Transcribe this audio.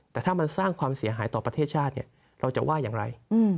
แต่ถ้ามันสร้างความเสียหายต่อประเทศชาติเราจะว่าอย่างไร